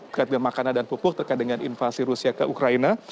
kerajinan makanan dan pupuk terkait dengan invasi rusia ke ukraina